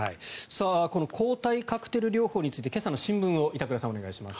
この抗体カクテル療法について今朝の新聞を板倉さん、お願いします。